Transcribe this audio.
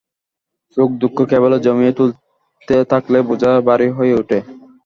সুখদুঃখ কেবলই জমিয়ে তুলতে থাকলে বোঝা ভারী হয়ে ওঠে।